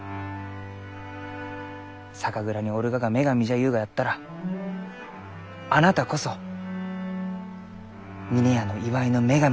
酒蔵におるがが女神じゃゆうがやったらあなたこそ峰屋の祝いの女神じゃき。